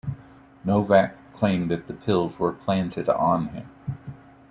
Novak claimed that the pills were "planted" on him.